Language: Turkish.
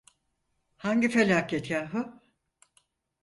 Hangi felaket yahu?